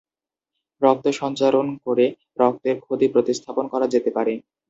রক্ত সঞ্চারণ করে রক্তের ক্ষতি প্রতিস্থাপন করা যেতে পারে।